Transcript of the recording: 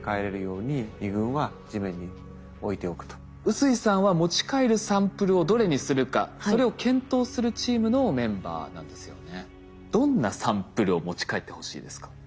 臼井さんは持ち帰るサンプルをどれにするかそれを検討するチームのメンバーなんですよね。